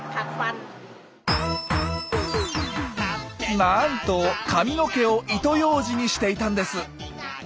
なんと髪の毛を糸ようじにしていたんです！